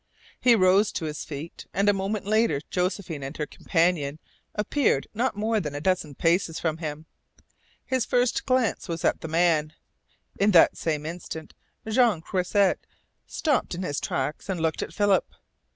He rose to his feet, and a moment later Josephine and her companion appeared not more than a dozen paces from him. His first glance was at the man. In that same instant Jean Croisset stopped in his tracks and looked at Philip.